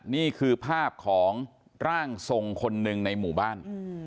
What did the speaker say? นี่คือภาพของร่างทรงคนหนึ่งในหมู่บ้าน